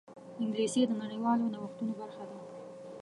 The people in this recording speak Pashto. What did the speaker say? انګلیسي د نړیوالو نوښتونو برخه ده